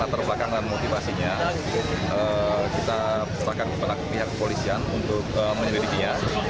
latar belakang dan motivasinya kita serahkan kepada pihak kepolisian untuk menyelidikinya